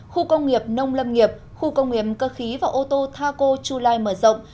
khu công nghiệp nông lâm nghiệp khu công nghiệp cơ khí và ô tô thaco chulai mở rộng